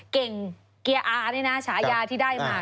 เก่งเกียร์อานี่นะฉายาที่ได้มา